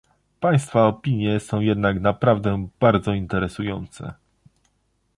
Państwa opinie są jednak naprawdę bardzo interesujące